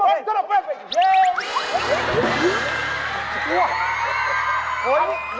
อู้ยเจ็บตัว